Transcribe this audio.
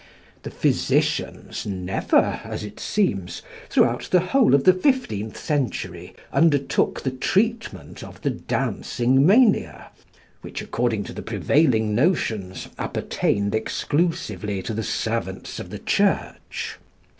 The physicians never, as it seems, throughout the whole of the fifteenth century, undertook the treatment of the Dancing Mania, which, according to the prevailing notions, appertained exclusively to the servants of the Church.